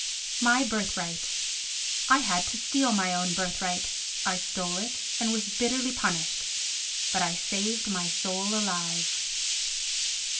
My Birthright I had to steal my own birthright. I stole it and was bitterly punished. But I saved my soul alive.